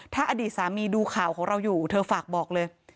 ถ้าอดีตสามีดูข่าวของเราอยู่เธอฝากบอกเลย